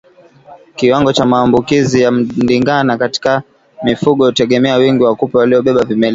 Kiwango cha maambukizi ya ndigana katika mifugo hutegemea wingi wa kupe waliobeba vimelea